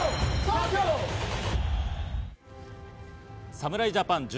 侍ジャパ侍